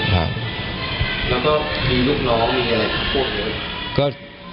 แล้วก็มีลูกน้องมีอะไรพวกนี้